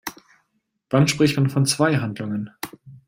Wann spricht man von zwei Handlungen?